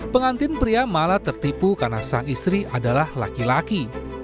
pengantin pria malah tertipu karena sang istri adalah laki laki